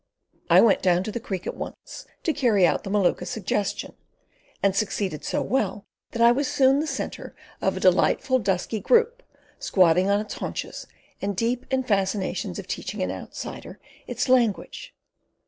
I went down to the Creek at once to carry out the Maluka's suggestion, and succeeded so well that I was soon the centre of a delighted dusky group, squatting on its haunches, and deep in fascinations of teaching an outsider its language.